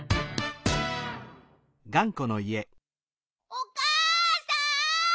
・おかあさん！